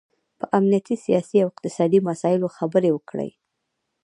په امنیتي، سیاسي او اقتصادي مسایلو خبرې وکړي